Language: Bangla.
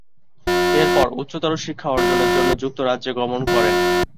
এরপর উচ্চতর শিক্ষা অর্জনের জন্য যুক্তরাজ্যে গমন করেন।